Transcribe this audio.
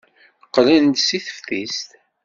Qqlen-d seg teftist?